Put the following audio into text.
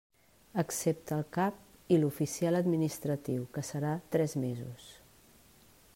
Excepte al cap i l'oficial administratiu que serà tres mesos.